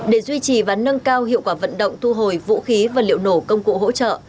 để duy trì và nâng cao hiệu quả vận động thu hồi vũ khí và liệu nổ công cụ hỗ trợ